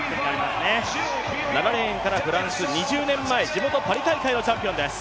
７レーンからフランス、２０年前、地元パリ大会のチャンピオンです。